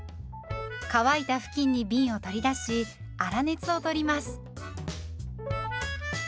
乾いた布巾にびんを取り出し粗熱を取ります。